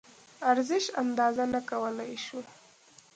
ارزش اندازه نه کولی شو.